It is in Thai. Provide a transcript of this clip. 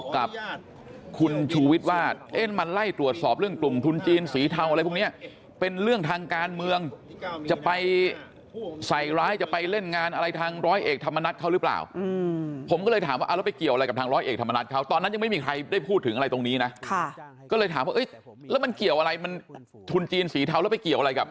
กับศรนทรทองหล่อเข้ามาตรวจสอบแล้วไม่เจออะไร